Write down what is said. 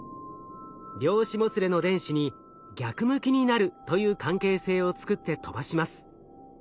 量子もつれの電子に逆向きになるという関係性を作って飛ばします。